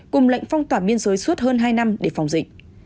cùng lệnh phong tỏa biên giới suốt hơn hai năm để phòng dịch